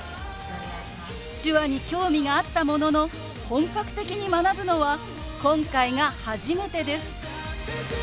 手話に興味があったものの本格的に学ぶのは今回が初めてです。